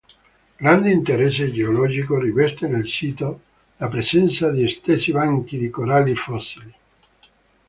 Grande interesse geologico riveste nel sito la presenza di estesi banchi di coralli fossili.